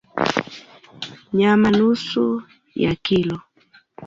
Nyama nusu ya kilo